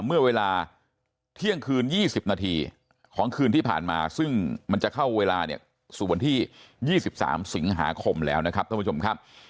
เมื่อเวลาเที่ยงคืน๒๐นาทีของคืนที่ผ่านมาซึ่งมันจะเข้าเวลาสู่วันที่๒๓สิงหาคมแล้วนะครับ